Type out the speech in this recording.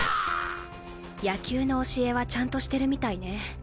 野球の教えはちゃんとしてるみたいね。